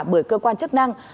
bởi cơ quan chức năng